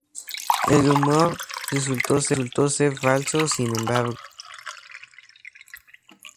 El rumor resultó ser falso, sin embargo.